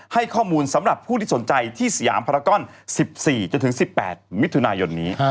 ให้ข้อมูลสำหรับผู้ที่สนใจที่สยามภารกร๑๔๑๘มิถุนายนนี้